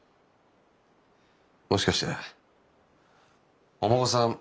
もしかしてお孫さん